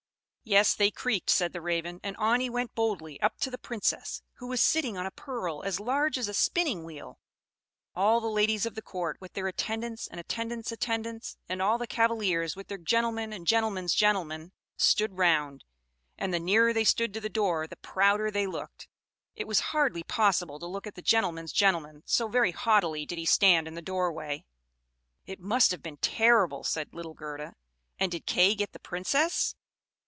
"Yes, they creaked," said the Raven. "And on he went boldly up to the Princess, who was sitting on a pearl as large as a spinning wheel. All the ladies of the court, with their attendants and attendants' attendants, and all the cavaliers, with their gentlemen and gentlemen's gentlemen, stood round; and the nearer they stood to the door, the prouder they looked. It was hardly possible to look at the gentleman's gentleman, so very haughtily did he stand in the doorway." "It must have been terrible," said little Gerda. "And did Kay get the Princess?"